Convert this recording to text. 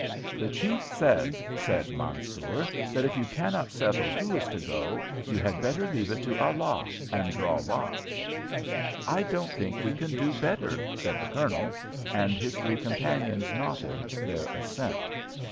"The chief says," said Mansoor, "that if you cannot settle who is to go, you had better leave it to Allah and draw lots." "I don't think we can do better," said the Colonel, and his three companions nodded their assent.